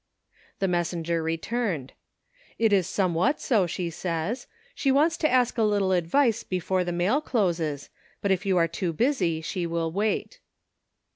The messenger returned. *'It is somewhat so, she says; she wants to ask a little advice before the mail closes, but if you are too busy she will wait."